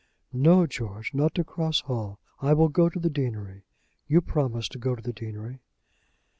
"No, George; not to Cross Hall. I will go to the deanery. You promised to go to the deanery."